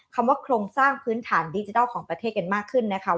คำว่าโครงสร้างพื้นฐานดิจิทัลของประเทศกันมากขึ้นนะคะ